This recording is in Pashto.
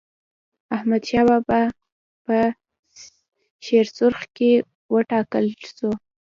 احمدشاه بابا په شیرسرخ کي و ټاکل سو.